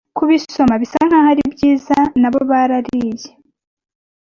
kubisoma bisa nkaho ari byiza nabo barariye